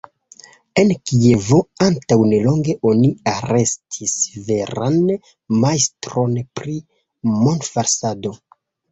En Kievo antaŭ nelonge oni arestis veran majstron pri monfalsado.